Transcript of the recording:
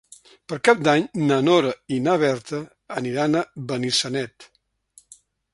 Per Cap d'Any na Nora i na Berta aniran a Benissanet.